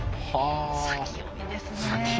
先読みですねえ。